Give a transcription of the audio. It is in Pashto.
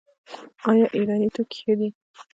آیا ایراني توکي ښه دي؟